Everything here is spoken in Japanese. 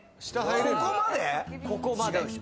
ここまで？